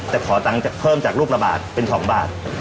แต่ขอตังค์เพิ่มจากลูกละบาทเป็น๒บาท